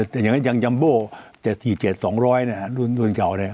แต่อย่างนั้นยังยัมโบ๗๔๗๒๐๐นะฮะรุ่นเก่าเนี่ย